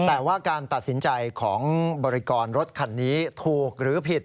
แต่ว่าการตัดสินใจของบริการรถคันนี้ถูกหรือผิด